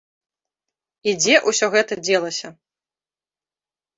І дзе ўсё гэта дзелася?